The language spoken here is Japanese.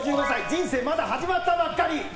人生まだ始まったばっかり！